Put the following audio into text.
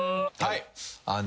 はい。